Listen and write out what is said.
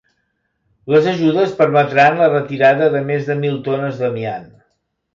Les ajudes permetran la retirada de més de mil tones d'amiant.